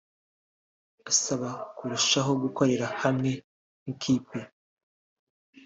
asaba kurushaho gukorera hamwe nk’ikipe